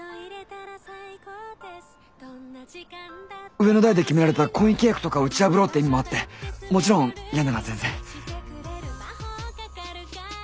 上の代で決められた婚姻契約とかを打ち破ろうって意味もあってもちろん嫌なら全然。